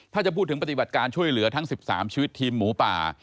ถ้าจะพูดถึงปฏิบัติการช่วยเหลือทั้ง๑๓ชีวิตทีมหมูป่า